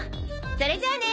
それじゃあね！